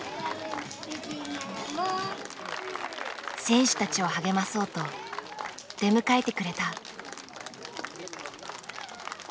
選手たちを励まそうと出迎えてくれた。